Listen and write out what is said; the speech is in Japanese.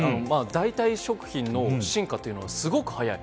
代替食品の進化というのはすごく早い。